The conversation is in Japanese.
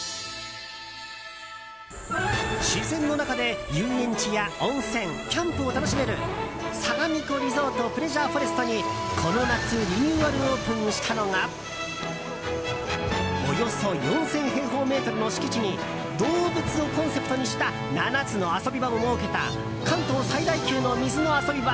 自然の中で遊園地や温泉キャンプを楽しめるさがみ湖リゾートプレジャーフォレストにこの夏リニューアルオープンしたのがおよそ４０００平方メートルの敷地に動物をコンセプトにした７つの遊び場を設けた関東最大級の水の遊び場